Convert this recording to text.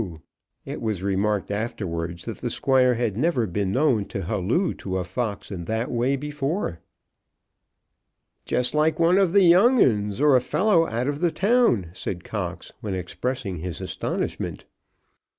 It was remarked afterwards that the Squire had never been known to halloo to a fox in that way before. "Just like one of the young 'uns, or a fellow out of the town," said Cox, when expressing his astonishment.